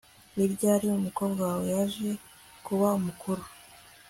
Ni ryari umukobwa wawe yaje kuba mukuru